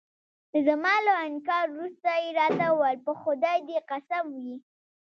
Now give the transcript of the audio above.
زما له انکار وروسته يې راته وویل: په خدای دې قسم وي.